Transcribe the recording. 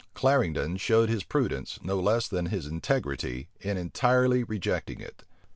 Clarendon showed his prudence, no less than his integrity, in entirely rejecting it.